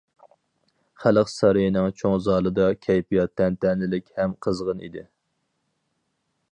خەلق سارىيىنىڭ چوڭ زالىدا كەيپىيات تەنتەنىلىك ھەم قىزغىن ئىدى.